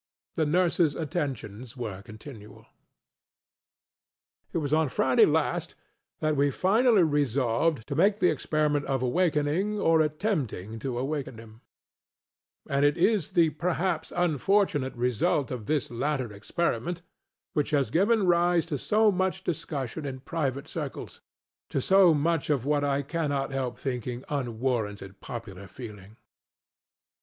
The nursesŌĆÖ attentions were continual. It was on Friday last that we finally resolved to make the experiment of awakening, or attempting to awaken him; and it is the (perhaps) unfortunate result of this latter experiment which has given rise to so much discussion in private circlesŌĆöto so much of what I cannot help thinking unwarranted popular feeling.